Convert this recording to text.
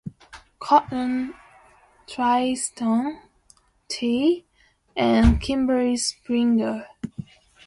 Cotton, Trystan T. and Kimberly Springer.